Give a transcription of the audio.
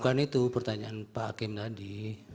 bukan itu pertanyaan pak hakim tadi